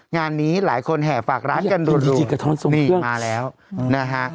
งานนี้หลายคนแห่ฝากร้านกันรวดนี่มาแล้วนะฮะ